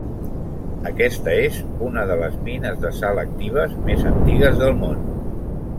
Aquesta és una de les mines de sal actives més antigues del món.